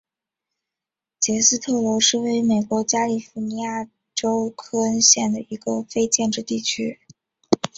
杰斯特罗是位于美国加利福尼亚州克恩县的一个非建制地区。